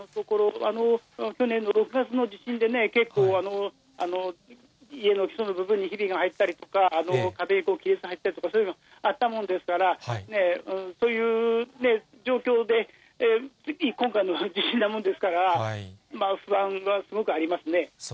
去年の６月の地震でね、結構、家の基礎の部分にひびが入ったりとか、壁に亀裂が入ったりとか、そういうのあったもんですから、そういう状況で、今回の地震なもんですから、不安はすごくありますね。